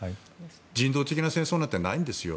人道的な戦争なんてないんですよ。